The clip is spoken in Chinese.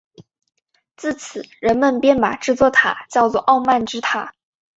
自此人们便把这座塔叫作傲慢之塔。